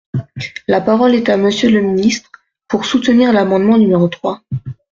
La parole est à Monsieur le ministre, pour soutenir l’amendement numéro trois.